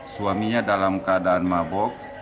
suaminya dalam keadaan mabuk